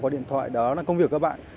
có điện thoại đó là công việc các bạn